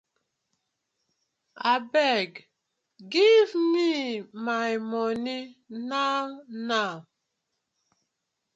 Abeg giv me my money now now.